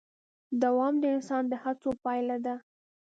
دوام د انسان د هڅو پایله ده.